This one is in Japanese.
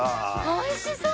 おいしそう！